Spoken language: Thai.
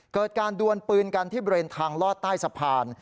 เกิดการดวนปืนกันที่บริเวณทางลอดใต้สะพาน